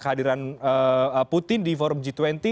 kehadiran putin di forum g dua puluh